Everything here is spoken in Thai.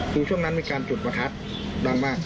คือช่วงนั้นมีการจุดประทัดดังมาก